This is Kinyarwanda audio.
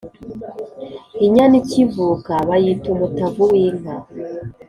Inyana ikivuka bayita Umutavu w’inka